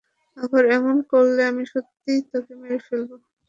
আবার এমন করলে, আমি সত্যিই তোকে মেরে ফেলবো।